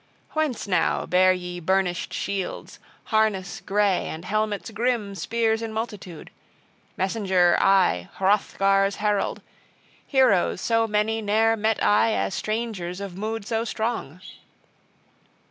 "Whence, now, bear ye burnished shields, harness gray and helmets grim, spears in multitude? Messenger, I, Hrothgar's herald! Heroes so many ne'er met I as strangers of mood so strong.